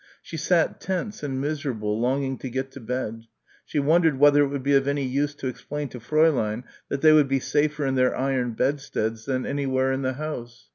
She sat tense and miserable longing to get to bed. She wondered whether it would be of any use to explain to Fräulein that they would be safer in their iron bedsteads than anywhere in the house.